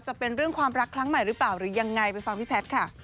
จะเป็นเรื่องความรักครั้งใหม่หรือเปล่าหรือยังไงไปฟังพี่แพทย์ค่ะ